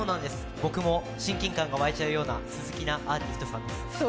僕も親近感が湧いちゃうようなすてきなアーティストさんです。